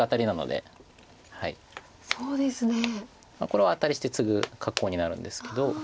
これはアタリしてツグ格好になるんですけど。